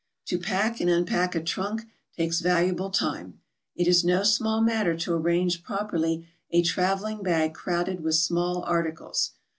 To pack and unpack a trunk takes valuable time; it is no small matter to arrange prop erly a traveling bag crowded with small articles.